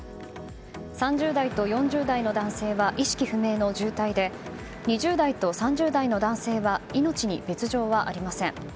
３０代と４０代の男性は意識不明の重体で２０代と３０代の男性は命に別条はありません。